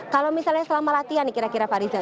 kalau misalnya selama latihan nih kira kira fariza